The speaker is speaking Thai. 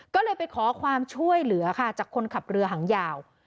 ก็เลยไปขอความช่วยเหลือค่ะจากคนขับเรือหางยาว